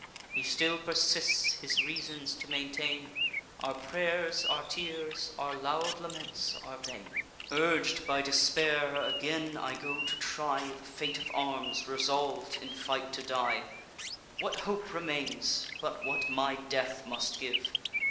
He still persists his reasons to maintain; Our pray'rs, our tears, our loud laments, are vain. "Urg'd by despair, again I go to try The fate of arms, resolv'd in fight to die: 'What hope remains, but what my death must give?